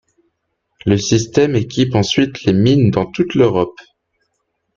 Le système équipe ensuite les mines dans toute l'Europe.